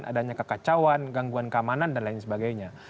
adanya kekacauan gangguan keamanan dan lain sebagainya